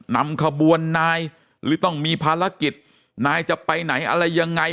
นำขบวนนายหรือต้องมีภารกิจนายจะไปไหนอะไรยังไง